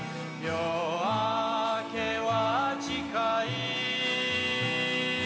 「夜明けは近い」